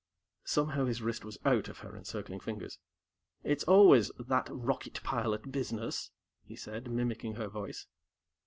Somehow, his wrist was out of her encircling fingers. "It's always 'that rocket pilot business,'" he said, mimicking her voice.